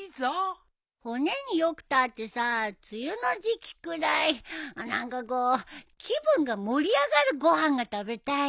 骨に良くたってさ梅雨の時期くらい何かこう気分が盛り上がるご飯が食べたいよ。